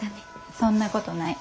そんなことない。